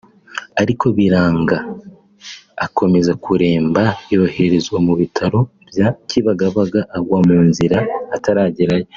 ariko biranga akomeza kuremba yoherezwa mu bitaro bya Kibagabaga agwa mu nzira ataragerayo